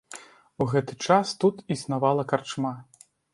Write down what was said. У гэты час тут існавала карчма.